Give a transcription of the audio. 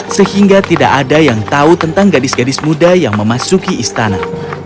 sehingga tidak ada yang tahu tentang gadis gadis muda yang memasuki istana